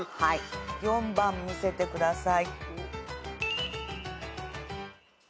４番見せてください。